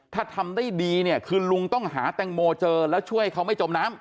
ถ้าทำได้ดีเนี่ยคือลุงต้องหาแตงโมเจอแล้วช่วยเขาไม่จมน้ำ